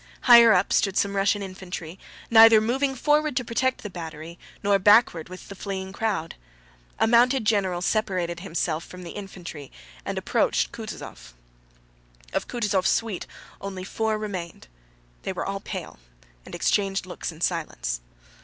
Higher up stood some Russian infantry, neither moving forward to protect the battery nor backward with the fleeing crowd. A mounted general separated himself from the infantry and approached Kutúzov. Of Kutúzov's suite only four remained. They were all pale and exchanged looks in silence.